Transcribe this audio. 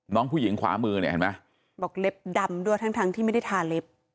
น้องผู้หญิงขวามือเนี่ยเห็นไหมบอกเล็บดำด้วยทั้งทั้งที่ไม่ได้ทาเล็บ